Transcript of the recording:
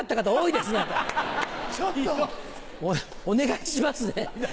お願いしますね。